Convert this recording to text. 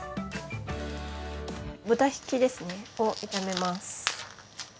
豚ひきですねを炒めます。